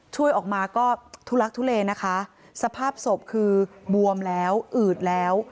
ช่วยออกมาก็ทุลักทุเลนะคะสภาพศพคือบวมแล้วอืดแล้ว